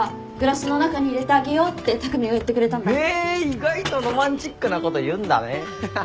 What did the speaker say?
意外とロマンチックなこと言うんだね。